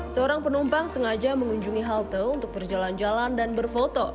seorang penumpang sengaja mengunjungi halte untuk berjalan jalan dan berfoto